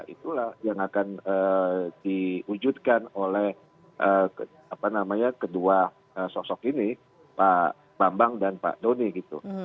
itulah yang akan diwujudkan oleh kedua sosok ini pak bambang dan pak doni gitu